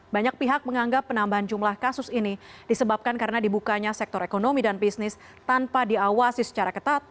banyak pihak menganggap penambahan jumlah kasus ini disebabkan karena dibukanya sektor ekonomi dan bisnis tanpa diawasi secara ketat